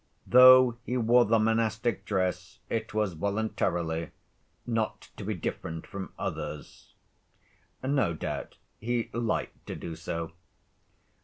Though he wore the monastic dress it was voluntarily, not to be different from others. No doubt he liked to do so.